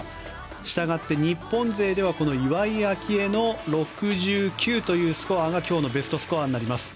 したがって、日本勢ではこの岩井明愛の６９というスコアが今日のベストスコアになります。